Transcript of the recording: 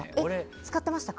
使ってましたか？